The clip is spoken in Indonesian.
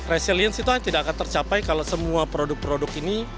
resilience itu tidak akan tercapai kalau semua produk produk ini